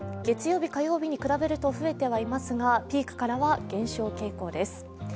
月曜日、火曜日に比べると増えてはいますが、ピークからは減少傾向です。